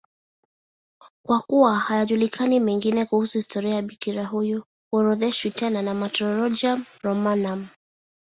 Kwa kuwa hayajulikani mengine kuhusu historia ya bikira huyo, haorodheshwi tena na Martyrologium Romanum.